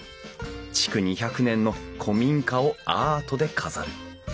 築２００年の古民家をアートで飾る。